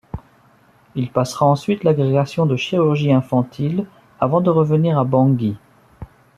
Il passera ensuite l'agrégation de chirurgie infantile avant de revenir à Bangui.